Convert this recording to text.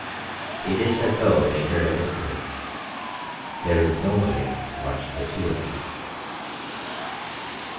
It is as though they heard a whisper, "There is nobody to watch the two of you."